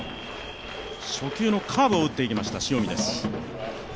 初球のカーブを打っていきました塩見です。